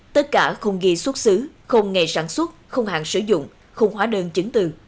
tất cả không ghi xuất xứ không ngày sản xuất không hạn sử dụng không hóa đơn chứng từ